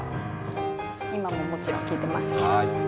今も、もちろん聴いてますけど。